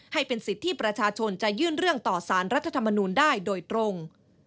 ให้เป็นสิทธิ์ที่ประชาชนจะยื่นเรื่องต่อสารรัฐธรรมนูลได้โดยตรง